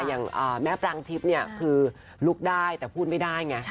อย่างแม่ปรางทิพย์เนี่ยคือลุกได้แต่พูดไม่ได้ไง